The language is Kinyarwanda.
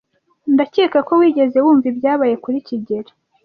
Ndakeka ko wigeze wumva ibyabaye kuri kigeli.